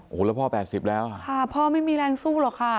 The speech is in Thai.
โอ้โหแล้วพ่อ๘๐แล้วค่ะพ่อไม่มีแรงสู้หรอกค่ะ